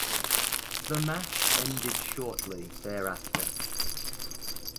The match ended shortly thereafter.